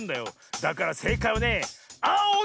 だからせいかいはねあおなのだよ！